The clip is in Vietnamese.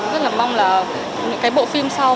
rất là mong là cái bộ phim sau